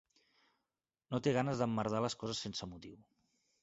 No té ganes d'emmerdar les coses sense motiu.